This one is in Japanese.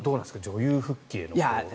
女優復帰への。